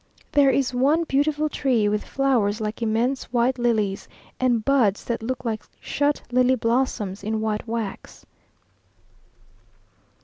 There is one beautiful tree, with flowers like immense white lilies, and buds that look like shut lily blossoms in white wax.